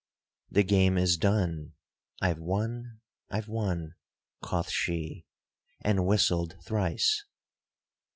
The game is done, I've won, I've won, Quoth she, and whistled thrice.